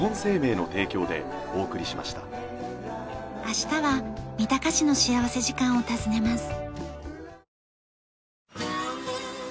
明日は三鷹市の幸福時間を訪ねます。